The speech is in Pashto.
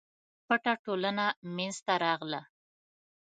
پټه ټولنه منځته راغله.